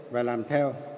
và làm theo